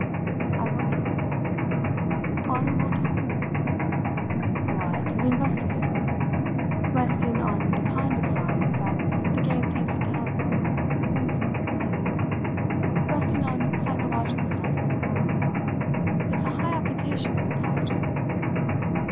I wondered a little. "Honourable to whom?" "Why, to the investigator. Resting on the kind of signs that the game takes account of when fairly played resting on psychologic signs alone, it's a high application of intelligence.